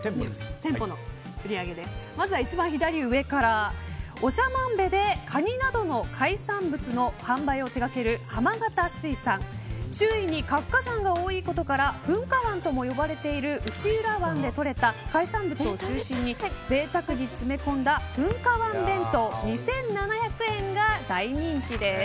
まずは一番左上から長万部でカニなどの海産物の販売を手掛ける浜形水産周囲に活火山が多いことから噴火湾とも呼ばれている内浦湾でとれた海産物を中心に贅沢に詰め込んだ噴火湾弁当、２７００円が大人気です。